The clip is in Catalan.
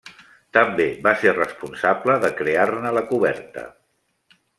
També va ser responsable de crear-ne la coberta.